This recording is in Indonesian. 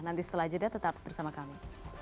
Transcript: nanti setelah jeda tetap bersama kami